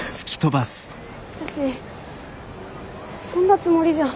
私そんなつもりじゃ。